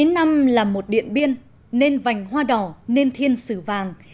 chín năm là một điện biên nên vành hoa đỏ nên thiên sử vàng